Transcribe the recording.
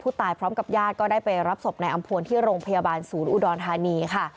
ตายพร้อมกับญาติก็ได้ไปรับศพนายอำพวนที่โรงพยาบาลศูนย์อุดรธานีค่ะ